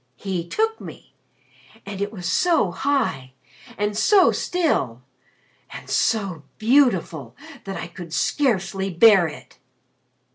He took me. And it was so high and so still and so beautiful that I could scarcely bear it."